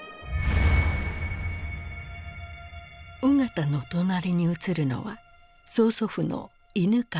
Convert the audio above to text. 緒方の隣に写るのは曽祖父の犬養毅。